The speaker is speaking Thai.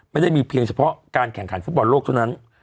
ไม่ได้มีเพียงเฉพาะการแข่งขันฟุตบอลโลกเท่านั้น